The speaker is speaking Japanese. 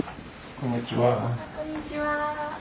こんにちは。